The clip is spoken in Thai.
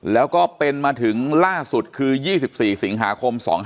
แล้วก็เป็นมาถึงล่าสุดคือ๒๔สิงหาคม๒๕๕๙